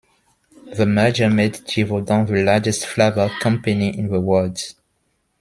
The merger made Givaudan the largest flavor company in the world.